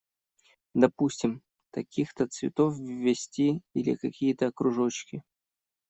Допустим, таких-то цветов ввести, или какие-то кружочки.